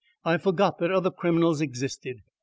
I forgot that other criminals existed.